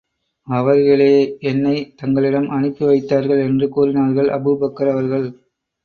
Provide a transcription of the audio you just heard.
அவர்களே என்னைத் தங்களிடம் அனுப்பி வைத்தார்கள் என்று கூறினார்கள் அபூபக்கர் அவர்கள்.